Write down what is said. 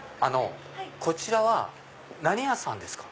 こちらは何屋さんですか？